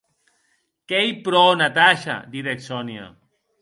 Qu’ei pro, Natasha, didec Sonia.